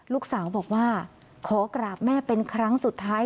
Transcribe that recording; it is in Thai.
ลูกสาวบอกว่าขอกราบแม่เป็นครั้งสุดท้าย